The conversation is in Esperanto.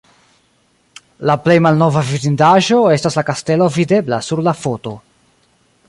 La plej malnova vidindaĵo estas la kastelo videbla sur la foto.